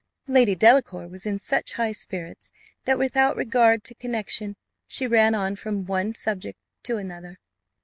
Lady Delacour was in such high spirits that, without regard to connexion, she ran on from one subject to another.